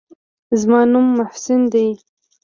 زما نوم محسن دى.